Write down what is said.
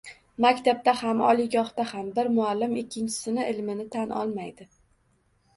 Maktabda ham, oliygohda ham bir muallim ikkinchisini ilmini tan olmaydi